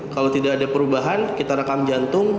kalau tidak ada perubahan kita rekam jantung